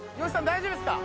大丈夫っすか？